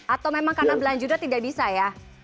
atau memang karena belanjanya tidak bisa ya